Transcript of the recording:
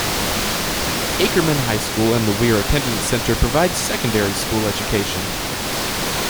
Ackerman High School and the Weir Attendance Center provide secondary school education.